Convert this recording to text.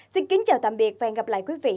xin kính chào tạm biệt và hẹn gặp lại quý vị